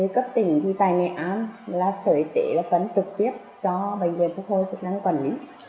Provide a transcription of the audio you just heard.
cấp tỉnh thì tại nghệ an là sở y tế là phấn trực tiếp cho bệnh viện phục hồi chức năng quản lý